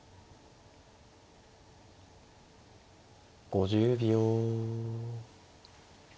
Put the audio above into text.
５０秒。